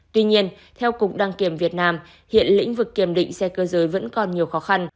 tuy nhiên theo cục đăng kiểm việt nam hiện lĩnh vực kiểm định xe cơ giới vẫn còn nhiều khó khăn